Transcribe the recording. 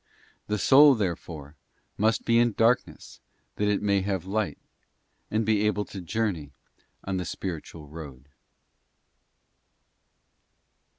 The soul, therefore, must be in dark ness that it may have light, and be able to journey on the spiritual road.